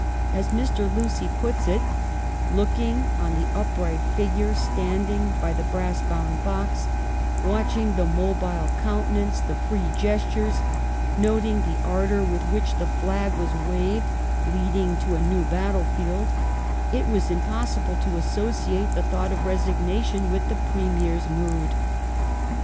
As Mr. Lucy puts it, " Looking on the upright figure standing by the brass bound box, watching the mobile countenance, the free gestures, noting the ardor with which the flag was waved, leading to a new battlefield, it was impossible to associate the thought of resignation with the Premier's mood."